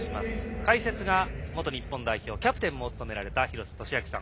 解説が元キャプテンも務められた廣瀬俊朗さん。